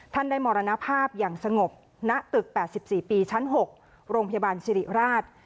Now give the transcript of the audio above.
ท่านได้มรณภาพอย่างสงบณตึก๘๔ปีชั้น๖โรงพยาบาลสิริราช